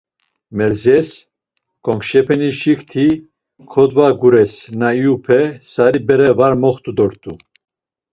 Merzes konkşepenişikti kodvagures na iyupe, sari bere var moxt̆u dort̆u.